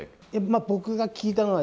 僕が聞いたのはですね